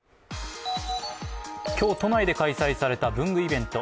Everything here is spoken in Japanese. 今日、都内で開催された文具イベント。